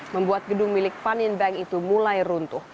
membuat gedung milik paninbank itu mulai runtuh